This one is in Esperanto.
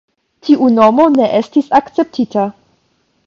Tiu nomo ne estis akceptita.